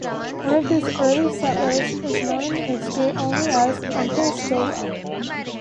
One of these early settlers is known in history only as "Uncle" Stillwell.